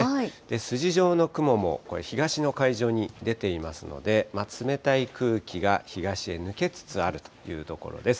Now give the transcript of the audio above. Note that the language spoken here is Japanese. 筋状の雲もこれ、東の海上に出ていますので、冷たい空気が東へ抜けつつあるというところです。